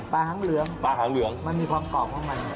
ปลาหางเหลืองมันมีความกรอบของมัน